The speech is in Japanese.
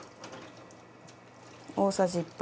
大さじ１杯。